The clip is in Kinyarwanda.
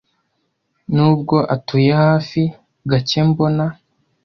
Nubwo atuye hafi, gake mbona.